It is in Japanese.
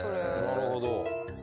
なるほど。